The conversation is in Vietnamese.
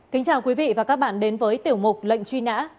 kính chào quý vị và các bạn đến với tiểu mục lệnh truy nã